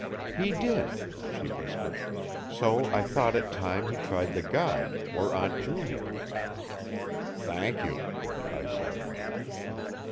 "He did," she whispered, "so I thought it time he tried the guide or Aunt Julia." "Thank you," I said.